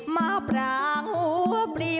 มาปรางหัวบรี